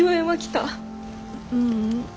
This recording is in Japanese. ううん。